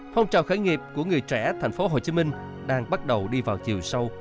phong trào khởi nghiệp của người trẻ thành phố hồ chí minh đang bắt đầu đi vào chiều sâu